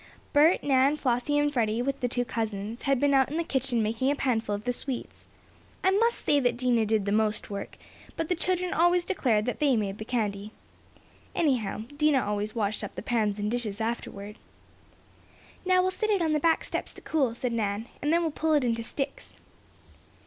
Bert, Nan, Flossie and Freddie, with the two cousins, had been out in the kitchen making a panful of the sweets. I must say that Dinah did the most work, but the children always declared that they made the candy. Anyhow, Dinah always washed up the pans and dishes afterward. "Now we'll set it out on the back steps to cool," said Nan, "and then we'll pull it into sticks."